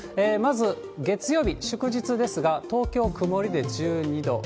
まず月曜日祝日ですが、東京、曇りで１２度。